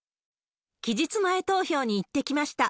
期日前投票に行ってきました。